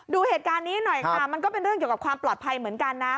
ดูเหตุการณ์นี้หน่อยค่ะมันก็เป็นเรื่องเกี่ยวกับความปลอดภัยเหมือนกันนะ